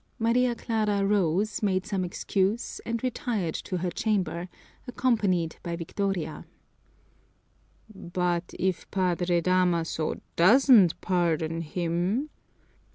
Maria Clara rose, made some excuse, and retired to her chamber, accompanied by Victoria. "But if Padre Damaso doesn't pardon him?"